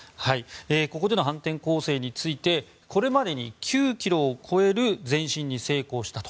ここでの反転攻勢についてこれまでに９ｋｍを超える前進に成功したと。